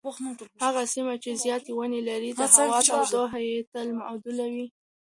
هغه سیمه چې زیاتې ونې لري د هوا تودوخه یې تل معتدله وي.